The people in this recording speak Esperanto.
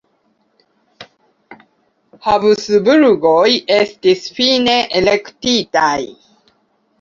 Habsburgoj estis fine elektitaj.